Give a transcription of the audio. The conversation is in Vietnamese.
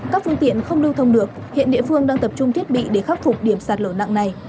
các phương tiện không lưu thông được hiện địa phương đang tập trung thiết bị để khắc phục điểm sạt lở nặng này